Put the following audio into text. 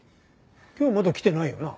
今日まだ来てないよな。